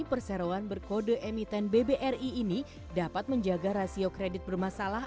perseroan berkode emiten bbri ini dapat menjaga rasio kredit bermasalah